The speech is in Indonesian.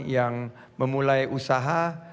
yang memulai usaha